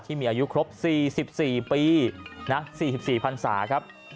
ที่มีอายุครบ๔๔ปี๔๔พันศาครับ